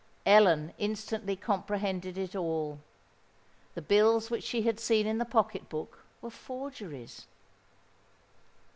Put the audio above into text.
Ellen instantly comprehended it all:—the bills which she had seen in the pocket book were forgeries!